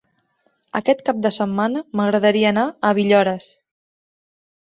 Aquest cap de setmana m'agradaria anar a Villores.